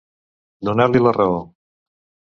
Donar-li la raó.